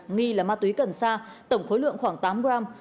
nghi là ma túy cần sa tổng khối lượng khoảng tám gram